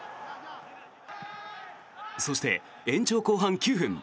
そして、延長後半９分。